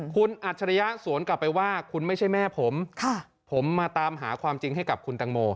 คุณอัจฉริยะสวนกลับไปว่าคุณไม่ใช่แม่ผมผมมาตามหาความจริงให้กับคุณตังโม